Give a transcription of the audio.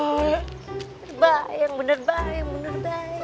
bener baik yang bener baik yang bener baik